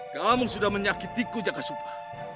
kamu sudah menyakitiku jakasupa